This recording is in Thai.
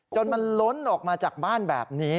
จนมันล้นออกมาจากบ้านแบบนี้